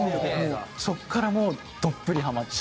そこからもうどっぷりハマって。